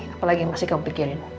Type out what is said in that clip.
apalagi yang masih kamu pikirin